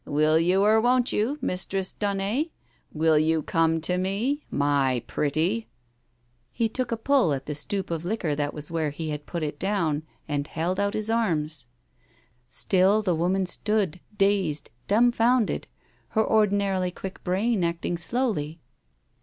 Will you or won't you, Mistress Daunet? Will you come to me — my pretty ?" He took a pull at the stoup of liquor that was where he had put it down, and held out his arms. Still the woman stood, dazed, dumbfounded, her ordinarily quick brain acting slowly.